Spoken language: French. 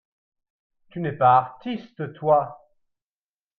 Tu n’es pas artiste, toi…